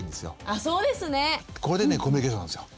あそうですね。これでねコミュニケーションなんですよ。